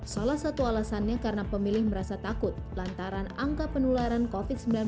salah satu alasannya karena pemilih merasa takut lantaran angka penularan covid sembilan belas